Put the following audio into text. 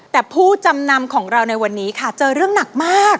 แต่ผู้จำนำของเราในวันนี้ค่ะเจอเรื่องหนักมาก